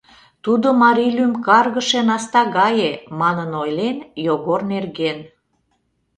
«Тудо марий лӱм каргыше наста гае», — манын ойлен Йогор нерген.